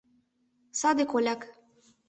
Саде коляк.